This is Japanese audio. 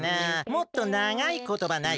もっとながいことばないかな？